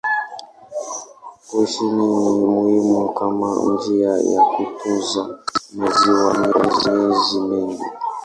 Kiuchumi ni muhimu kama njia ya kutunza maziwa kwa miezi mingi.